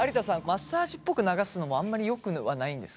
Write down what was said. マッサージっぽく流すのもあんまりよくはないんですか？